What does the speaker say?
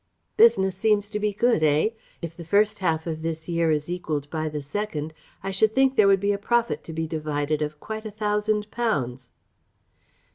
Business seems to be good, eh? If the first half of this year is equalled by the second, I should think there would be a profit to be divided of quite a thousand pounds?"